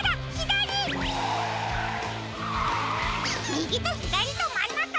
みぎとひだりとまんなか！